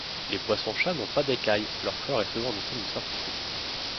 Les poissons-chats n'ont pas d'écailles, leur corps est souvent doté d'une simple peau.